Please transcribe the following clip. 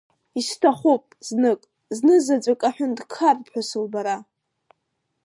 Исҭахуп знык, зны заҵәык аҳәынҭқарԥҳәыс лбара!